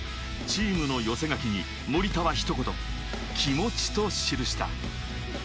チームの寄せ書きに森田はひと言「気持ち」と記した。